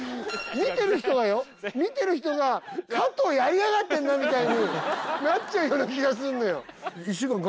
見てる人が「加藤やりやがったな」みたいになっちゃうような気がするのよ。